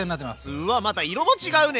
うわっまた色も違うね！